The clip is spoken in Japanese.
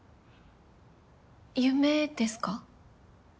夢ですか？